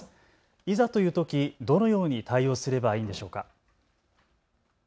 いざというとき、どのように対応すればいいんでしょうか。